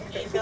itu ini itu